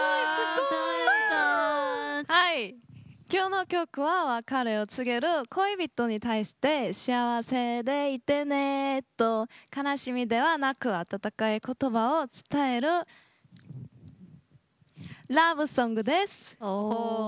きょうの曲は別れを告げる恋人に対して「幸せでいてね」と悲しみではなく温かいことばを伝えるラブソングです。